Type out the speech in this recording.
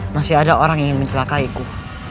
masih ada orang yang ingin mencelakaiku